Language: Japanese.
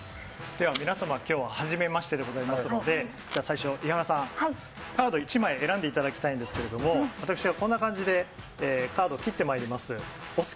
では皆様、今日は、はじめましてですので最初、伊原さん、カード１枚選んでいただきたいんですけど、私がこんな感じでカードを切ってまいります。